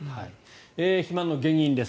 肥満の原因です。